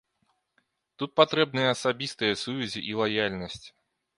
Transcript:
Тут патрэбныя асабістыя сувязі і лаяльнасць.